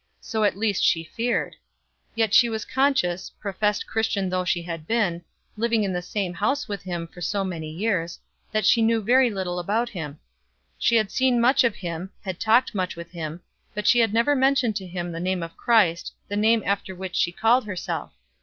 So at least she feared. Yet she was conscious, professed Christian though she had been, living in the same house with him for so many years, that she knew very little about him. She had seen much of him, had talked much with him, but she had never mentioned to him the name of Christ, the name after which she called herself.